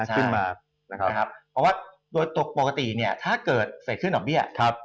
ขึ้นมานะครับเพราะว่าตัวปกติเนี้ยถ้าเกิดใส่ขึ้นดอกเบี้ยครับครับ